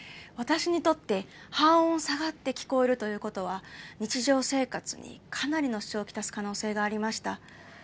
私にとって半音下がって聞こえるということは日常生活にかなりの支障を来す可能性がありました。